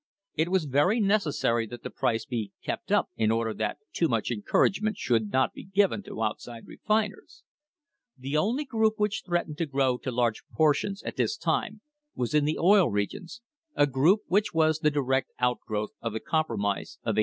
It was very necessary that the price be kept up in order that too much encourage ment should not be given to outside refiners. The only group which threatened to grow to large proportions, at this time, was in the Oil Regions, a group which was the direct out growth of the compromise of 1880.